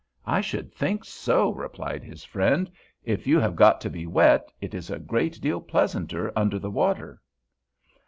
"I should think so," replied his friend; "if you have got to be wet, it is a great deal pleasanter under the water."